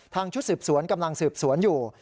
ชุดสืบสวนกำลังสืบสวนอยู่